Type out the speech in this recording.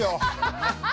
ハハハハハ！